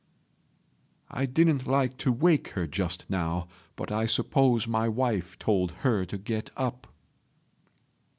"I didn't like to wake her just now, but I suppose my wife told her to get up."